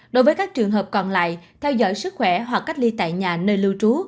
đối với các trường hợp còn lại theo dõi sức khỏe hoặc cách ly tại nhà nơi lưu trú